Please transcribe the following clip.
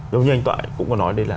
giống như anh toại cũng có nói đây là